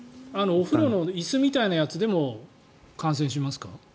お風呂の椅子みたいなやつでも感染しますか？